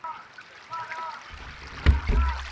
ما یې له منبره د بلال ږغ اورېدلی دی .